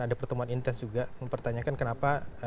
ada pertemuan intens juga mempertanyakan kenapa